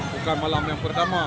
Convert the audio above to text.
bukan malam yang pertama